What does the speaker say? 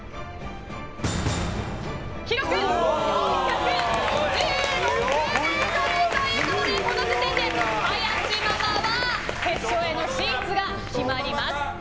記録、４５６ｍ。ということで、この時点で林ママは決勝への進出が決まります。